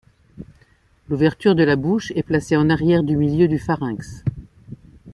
L'ouverture de la bouche est placée en arrière du milieu du pharynx.